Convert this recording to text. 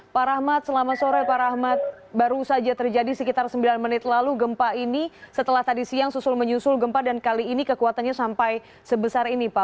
pak rahmat selamat sore pak rahmat baru saja terjadi sekitar sembilan menit lalu gempa ini setelah tadi siang susul menyusul gempa dan kali ini kekuatannya sampai sebesar ini pak